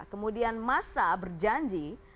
kemudian massa berjanji